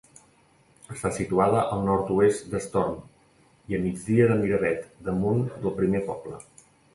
Està situada al nord-oest d'Estorm i a migdia de Miravet, damunt del primer poble.